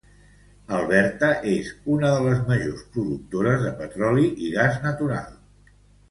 Alberta és una de les majors productores de petroli i gas natural.